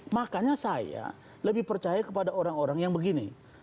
makanya saya lebih percaya kepada orang orang yang begini